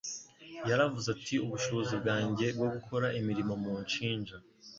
Yaravuze ati, ubushobozi bwanjye bwo gukora imirimo munshinja